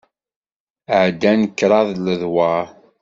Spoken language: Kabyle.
Ɛeddant kraḍ n ledwaṛ.